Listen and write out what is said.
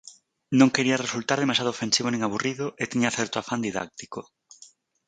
Non quería resultar demasiado ofensivo nin aburrido e tiña certo afán didáctico.